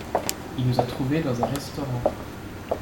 Il nous a trouvés dans un restaurant.